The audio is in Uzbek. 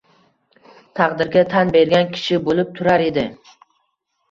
taqdirga tan bergan kishi bo‘lib turar edi.